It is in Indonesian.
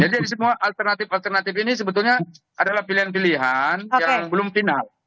jadi semua alternatif alternatif ini sebetulnya adalah pilihan pilihan yang belum final